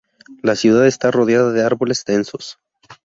La ciudad está rodeada de árboles densos.